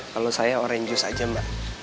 kalau saya orange juice aja mbak